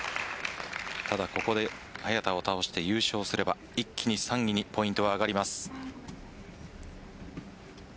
ただここで早田を倒して優勝すれば一気に３位にポイントが上がります。